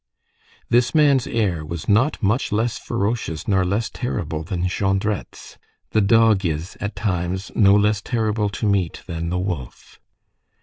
This man's air was not much less ferocious nor less terrible than Jondrette's; the dog is, at times, no less terrible to meet than the wolf.